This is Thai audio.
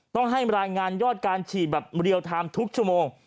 ต้องให้รายงานยอดการฉีดแบบเรียลไทม์ทุกชั่วโมง